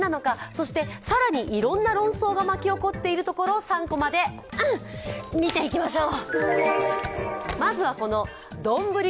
そして、更にいろんな論争が巻き起こっているところを３コマで見ていきましょう。